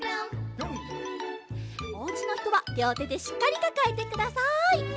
おうちのひとはりょうてでしっかりかかえてください。